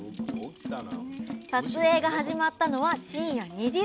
撮影が始まったのは深夜２時すぎ！